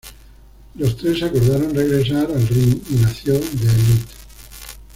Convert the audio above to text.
Los tres acordaron regresar al ring y nació The Elite.